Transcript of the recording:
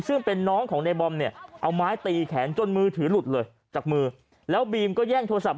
ซึ่งเป็นน้องของในบอมเนี่ยเอาไม้ตีแขนจนมือถือหลุดเลยจากมือแล้วบีมก็แย่งโทรศัพ